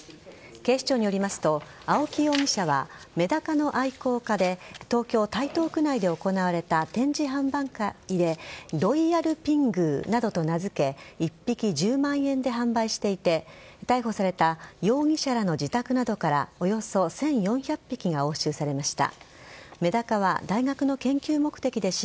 警視庁によりますと青木容疑者はメダカの愛好家で東京・台東区などで行われた展示販売会でロイヤルピングーなどと名付け１匹１０万円で販売していて逮捕された容疑者らの自宅などからおよそ１４００匹が押収されました。